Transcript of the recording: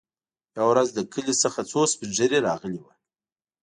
يوه ورځ له کلي څخه څو سپين ږيري راغلي وو.